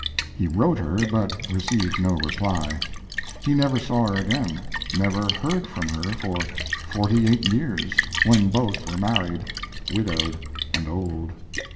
He wrote her, but received no reply. He never saw her again, never heard from her for forty eight years, when both were married, widowed, and old.